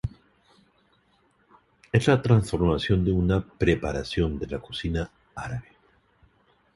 Es la transformación de una preparación de la cocina árabe.